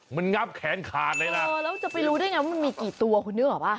มันงับแขนขาดเลยล่ะเออแล้วจะไปรู้ได้ไงว่ามันมีกี่ตัวคุณนึกออกป่ะ